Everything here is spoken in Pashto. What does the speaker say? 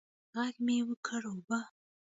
ږغ مې وکړ اوبه.